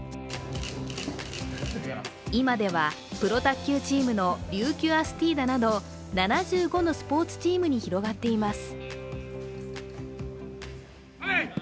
今では、プロ卓球チームの琉球アスティーダなど７５のスポ−ツチームに広がっています。